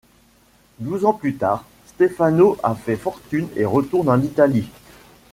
Douze ans plus tard, Stefano a fait fortune et retourne en Italie.